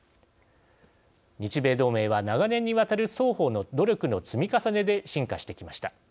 日米同盟は長年にわたる双方の努力の積み重ねで深化してきました。